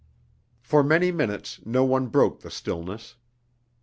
For many minutes no one broke the stillness.